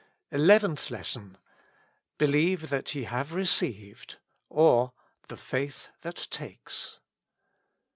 84 ELEVENTH LESSON. ••Believe that ye have received ;" or, The Faith that Takes.